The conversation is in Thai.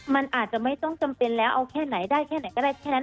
มันอาจจะไม่ต้องจำเป็นแล้วเอาแค่ไหนได้แค่ไหนก็ได้แค่นั้น